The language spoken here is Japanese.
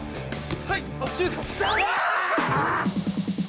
はい！